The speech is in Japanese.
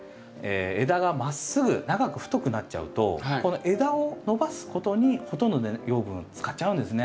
枝がまっすぐ長く太くなっちゃうとこの枝を伸ばすことにほとんどの養分を使っちゃうんですね。